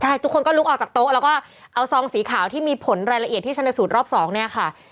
ใช่ทุกคนก็ลุกออกจากโต๊ะแล้วก็เอาซองสีขาวที่มีผลรายละเอียดที่ชนสูตรรอบสองเนี่ยค่ะ